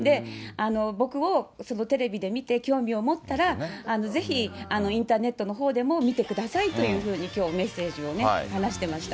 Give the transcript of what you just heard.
僕をテレビで見て興味を持ったら、ぜひインターネットのほうでも見てくださいというふうに、きょう、メッセージを話してました。